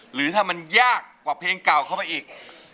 หรือถ้ามันยากกว่าเพลงเก่าเข้าไปอีก